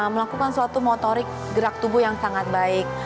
melakukan suatu motorik gerak tubuh yang sangat baik